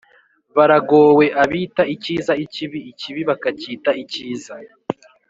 Baragowe! Abita icyiza ikibi, ikibi bakacyita icyiza.